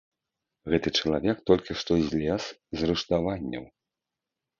Гэты чалавек толькі што злез з рыштаванняў.